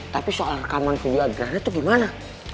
tapi soal rekaman video adriana tuh gimana